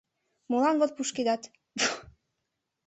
Молан вот пушкедат?